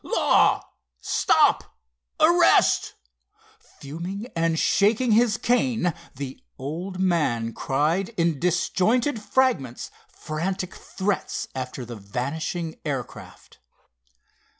"Law!—stop!—arrest!"—fuming, and shaking his cane, the old man cried in disjointed fragments frantic threats after the vanishing air craft.